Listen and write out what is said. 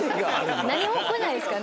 何もこないですから。